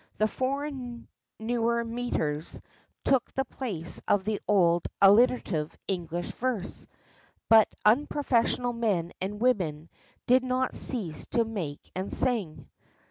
The foreign newer metres took the place of the old alliterative English verse. But unprofessional men and women did not cease to make and sing.